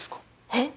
えっ？